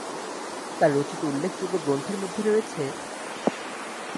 তার রচিত উল্লেখযোগ্য গ্রন্থের মধ্যে রয়েছে,